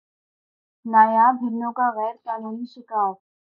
نایاب ہرنوں کا غیر قانونی شکار